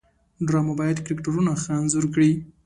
ډرامه باید کرکټرونه ښه انځور کړي